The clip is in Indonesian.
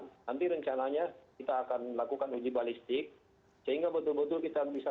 nanti rencananya kita akan lakukan uji balistik sehingga betul betul kita bisa